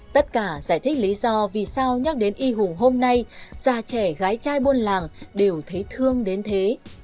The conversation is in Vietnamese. tất cả giải thích lý do vì sao nhắc đến y hùng hôm nay già trẻ gái trai buôn làng đều thấy thương đến thế